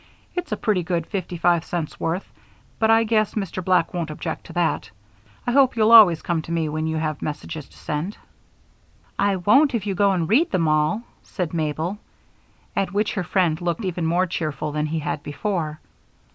"It's a pretty good fifty five cents' worth; but I guess Mr. Black won't object to that. I hope you'll always come to me when you have messages to send." "I won't if you go and read them all," said Mabel, at which her friend looked even more cheerful than he had before.